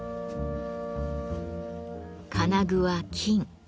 金具は金。